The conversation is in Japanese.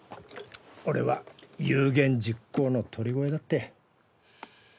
俺は有言実行の鳥越だって。